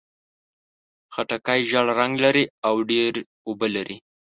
خټکی ژېړ رنګ لري او ډېر اوبه لري.